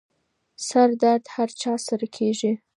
سردرد هر چا سره کېږي.